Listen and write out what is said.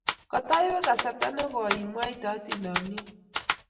kataibe kasarta ne koi imwaite hatindiot